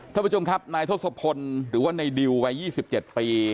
ท่านผู้ชมครับนายทศพลหรือว่าในดิววัย๒๗ปี